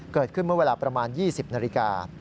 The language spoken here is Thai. เกิดขึ้นเมื่อเวลาประมาณ๒๐นาฬิกา